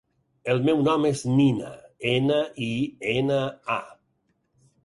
El meu nom és Nina: ena, i, ena, a.